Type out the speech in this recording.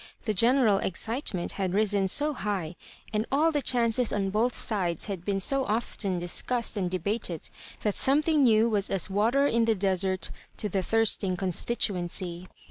Hie general excitement had risen so high, and all the chances on both sidefe had been so often discussed and debated, that something new was aa water in the desert to the thirsting constituency.